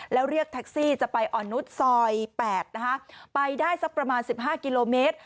แล้วเรียกแท็กซี่จะไปอ่อนนุษย์ซอย๘นะคะไปได้สักประมาณ๑๕กิโลเมตร